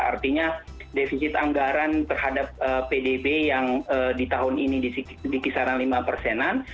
artinya defisit anggaran terhadap pdb yang di tahun ini di kisaran lima persenan